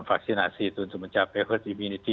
dan juga vaksinasi itu untuk mencapai herd immunity